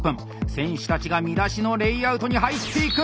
選手たちが見出しのレイアウトに入っていく！